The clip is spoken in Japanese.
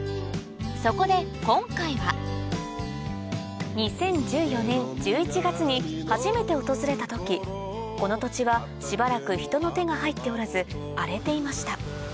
そこで今回は初めて訪れた時この土地はしばらく人の手が入っておらず荒れていました